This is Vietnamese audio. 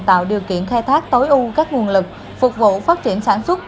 tạo điều kiện khai thác tối ưu các nguồn lực phục vụ phát triển sản xuất